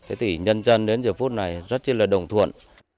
thế thì nhân dân đến giờ phút này rất là đồng thuận